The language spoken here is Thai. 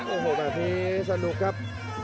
โอ้โหแบบนี้สนุกครับ